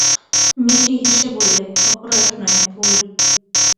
মেয়েটি হেসে বললে, অপরাধ নয়, ভুল।